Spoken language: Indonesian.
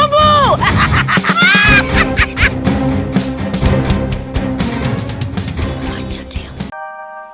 aku harus bersabar